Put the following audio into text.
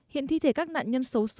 hiện thi thể các nạn nhân xấu xấu